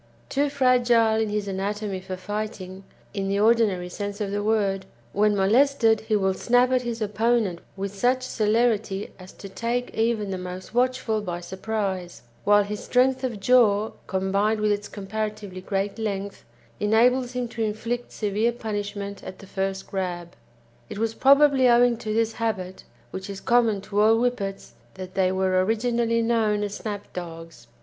Too fragile in his anatomy for fighting, in the ordinary sense of the word, when molested, he will "snap" at his opponent with such celerity as to take even the most watchful by surprise; while his strength of jaw, combined with its comparatively great length, enables him to inflict severe punishment at the first grab. It was probably owing to this habit, which is common to all Whippets, that they were originally known as Snap Dogs.